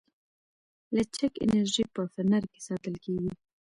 لچک انرژي په فنر کې ساتل کېږي.